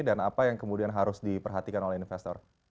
dan apa yang kemudian harus diperhatikan oleh investor